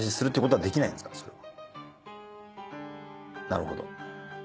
なるほど。